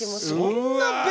そんなの。